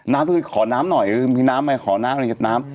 ขอน้ำหน่อยมีน้ำไหมขอน้ำอะไรกับน้ำ